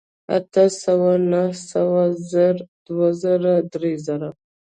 اتۀ سوه نهه سوه زر دوه زره درې زره